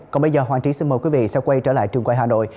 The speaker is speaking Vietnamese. còn bây giờ hoàng trí xin mời quý vị sẽ quay trở lại trường quay hà nội